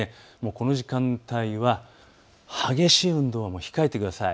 この時間帯は激しい運動は控えてください。